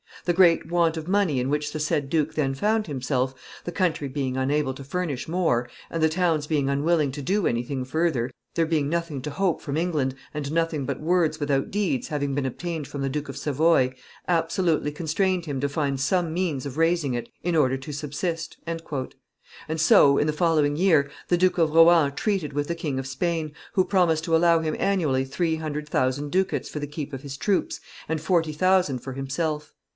The great want of money in which the said duke then found himself, the country being unable to furnish more, and the towns being unwilling to do anything further, there being nothing to hope from England, and nothing but words without deeds having been obtained from the Duke of Savoy, absolutely constrained him to find some means of raising it in order to subsist." And so, in the following year, the Duke of Rohan treated with the King of Spain, who promised to allow him annually three hundred thousand ducats for the keep of his troops and forty thousand for himself.